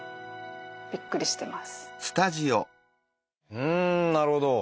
うんなるほど！